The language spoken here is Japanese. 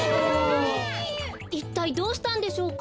いったいどうしたんでしょうか？